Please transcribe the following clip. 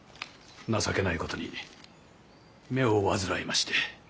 情けないことに目を患いまして。